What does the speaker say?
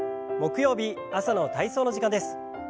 木曜日朝の体操の時間です。